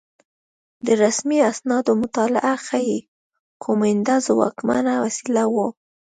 د رسمي اسنادو مطالعه ښيي کومېنډا ځواکمنه وسیله وه